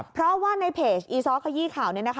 เพราะว่าในเพจอีซ้อขยี้ข่าว